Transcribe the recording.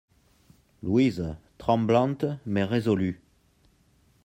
LOUISE, tremblante, mais résolue.